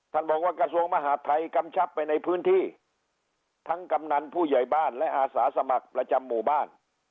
บอกว่ากระทรวงมหาดไทยกำชับไปในพื้นที่ทั้งกำนันผู้ใหญ่บ้านและอาสาสมัครประจำหมู่บ้าน